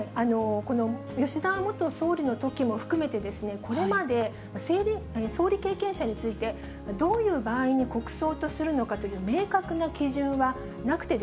この吉田元総理のときも含めてですね、これまで総理経験者について、どういう場合に国葬にするのかという明確な基準はなくて、